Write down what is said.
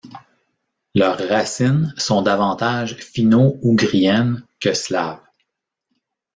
Leurs racines sont davantage finno-ougriennes que slaves.